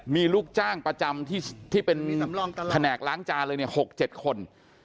มีลูกจ้างประจำที่เป็นแผนกล้างจานเลยเนี่ย๖๗คน